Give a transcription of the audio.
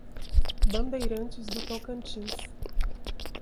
Bandeirantes do Tocantins